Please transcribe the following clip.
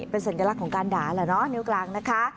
เป็นสัญลักษณ์ของการด่าแหละเนาะนิ้วกลางนะคะ